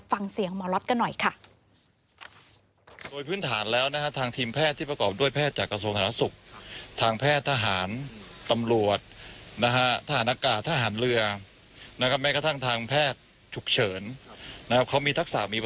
ฟังเสียงหมอล็อตกันหน่อยค่ะ